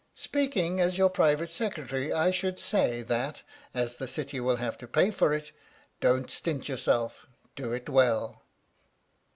" Speaking as your Private Secretary I should say that, as the city will have to pay for it, don't stint yourself do it well."